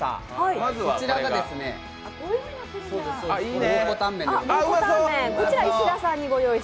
こちらが蒙古タンメンでございます。